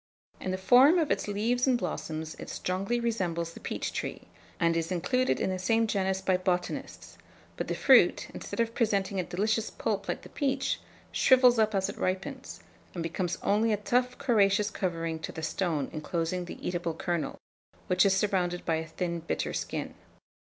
In the form of its leaves and blossoms it strongly resembles the peach tree, and is included in the same genus by botanists; but the fruit, instead of presenting a delicious pulp like the peach, shrivels up as it ripens, and becomes only a tough coriaceous covering to the stone inclosing the eatable kernel, which is surrounded by a thin bitter skin.